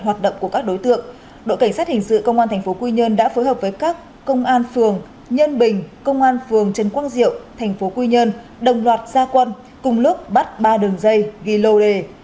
hoạt động của các đối tượng đội cảnh sát hình sự công an tp hcm đã phối hợp với các công an phường nhân bình công an phường trần quang diệu tp hcm đồng loạt gia quân cùng lước bắt ba đường dây ghi lô đề